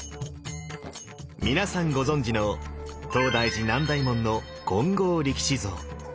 皆さんご存じの東大寺南大門の金剛力士像。